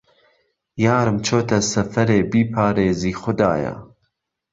یارم چۆته سهفهرێ بیپارێزی خودایا